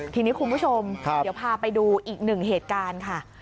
ทีนี้คุณผู้ชมเดี๋ยวพาไปดูอีกหนึ่งเหตุการณ์ค่ะ